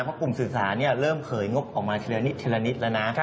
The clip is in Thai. เพราะกลุ่มสื่อสารเริ่มเผยงบออกมาทีละนิดทีละนิดแล้วนะ